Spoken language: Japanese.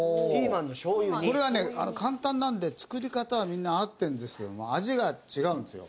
これはね簡単なんで作り方はみんな合ってるんですけども味が違うんですよ。